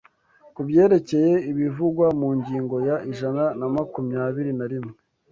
ku byerekeye ibivugwa mu ngingo ya ijana na makumyabiri na rimwe